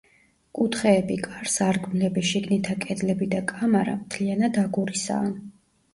კუთხეები, კარ-სარკმლები, შიგნითა კედლები და კამარა, მთლიანად აგურისაა.